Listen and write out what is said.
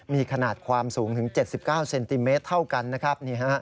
มีขนาดความสูงถึง๗๙เซนติเมตรเท่ากันนะครับ